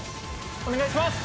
お願いします！